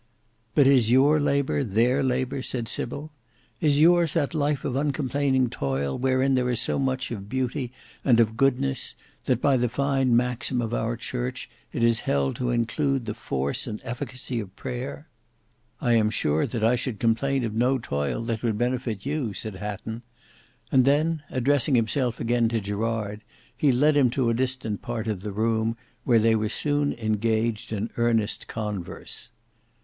"But is your labour, their labour," said Sybil. "Is yours that life of uncomplaining toil wherein there is so much of beauty and of goodness, that by the fine maxim of our Church, it is held to include the force and efficacy of prayer?" "I am sure that I should complain of no toil that would benefit you," said Hatton; and then addressing himself again to Gerard, he led him to a distant part of the room where they were soon engaged in earnest converse.